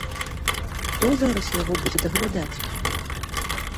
Хто зараз яго будзе даглядаць?